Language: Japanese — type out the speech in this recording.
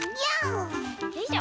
よいしょ。